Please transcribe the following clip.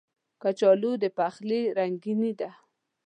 کچالو د پخلي رنګیني ده